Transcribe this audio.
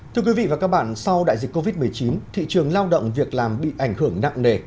thưa quý vị và các bạn sau đại dịch covid một mươi chín thị trường lao động việc làm bị ảnh hưởng nặng nề